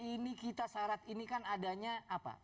ini kita syarat ini kan adanya apa